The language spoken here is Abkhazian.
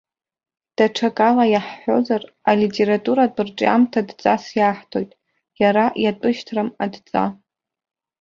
Даҽакала иаҳҳәозар, алитературатә рҿиамҭа дҵас иаҳҭоит иара иатәышьҭрам адҵа.